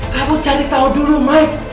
kamu cari tahu dulu mike